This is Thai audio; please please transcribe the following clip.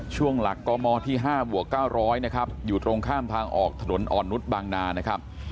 ช่วงหลักกมที่๕บวก๙๐๐นะครับอยู่ตรงข้ามทางออกถนนอ่อนนุษย์บางนานะครับ